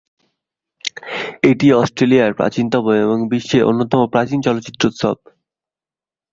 এটি অস্ট্রেলিয়ার প্রাচীনতম এবং বিশ্বের অন্যতম প্রাচীন চলচ্চিত্র উৎসব।